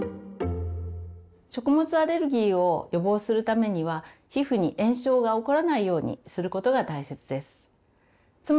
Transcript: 食物アレルギーを予防するためには皮膚に炎症が起こらないようにすることが大切です。